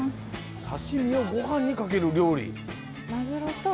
刺身をごはんにかける料理？